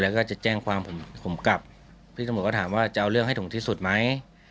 แล้วก็จะแจ้งความผมผมกลับพี่ตำรวจก็ถามว่าจะเอาเรื่องให้ถึงที่สุดไหม